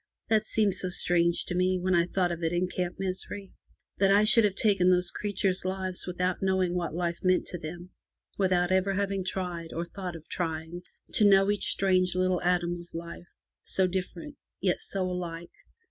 That seemed so strange to me, when I thought of it in Camp Misery — that I should have taken those creatures* lives without knowing what life meant to them, without ever having tried, or thought of trying, to know each strange little atom of life, so different, yet so alike.